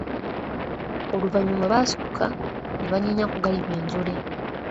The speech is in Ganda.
Oluvanyuma baasituka ne banyeenya ku galiba enjole.